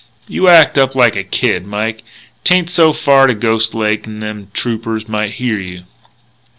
You act up like a kid, Mike. 'Tain't so far to Ghost Lake, n'them Troopers might hear you."